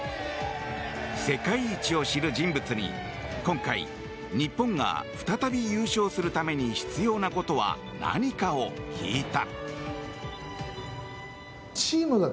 世界一を知る人物に今回、日本が再び優勝するために必要なことは何かを聞いた。